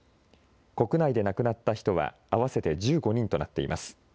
国内で亡くなった人は合わせて１５人となっています。